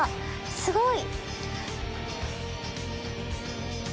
すごい。